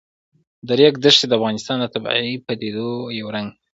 د ریګ دښتې د افغانستان د طبیعي پدیدو یو رنګ دی.